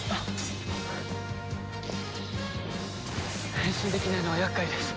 変身できないのは厄介です。